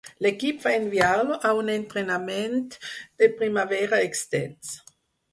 L'equip va enviar-lo a un entrenament de primavera extens.